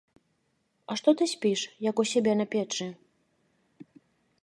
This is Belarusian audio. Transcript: А што ты спіш, як у сябе на печы?